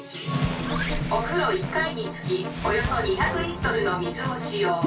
「おふろ１回につきおよそ２００リットルの水を使用。